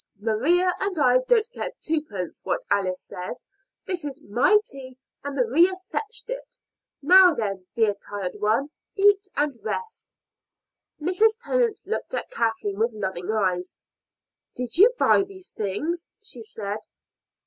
"Maria and I don't care twopence what Alice says. This is my tea, and Maria fetched it. Now then, dear tired one, eat and rest." Mrs. Tennant looked at Kathleen with loving eyes. "Did you buy these things?" she said.